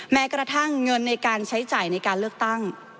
แม้กระทั่งเงินในการใช้จ่ายในการเลือกตั้ง